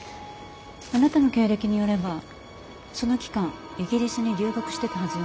あなたの経歴によればその期間イギリスに留学してたはずよね？